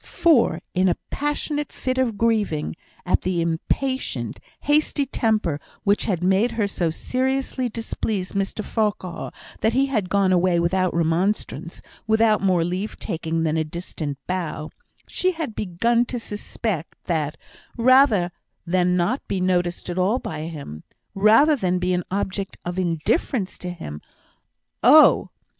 For, in a passionate fit of grieving, at the impatient, hasty temper which had made her so seriously displease Mr Farquhar that he had gone away without remonstrance, without more leave taking than a distant bow, she had begun to suspect that rather than not be noticed at all by him, rather than be an object of indifference to him oh!